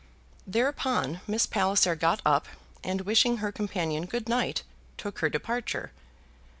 Thereupon Miss Palliser got up, and wishing her companion good night, took her departure.